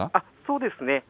そうですね。